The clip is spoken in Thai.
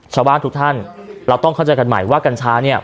ชาวบ้านทุกท่านเราต้องเข้าใจกันใหม่ว่ากัญชาเนี่ย